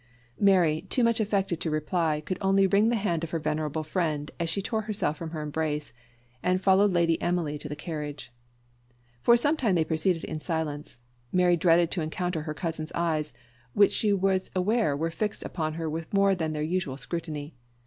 Mary, too much affected to reply, could only wring the hand of her venerable friend, as she tore herself from her embrace, and followed Lady Emily to the carriage. For some time they proceeded in silence. Mary dreaded to encounter her cousin's eyes, which she was aware were fixed upon her with more than their usual scrutiny.